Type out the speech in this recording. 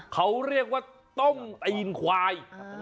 เขาเรียกว่าต้มตีนควาย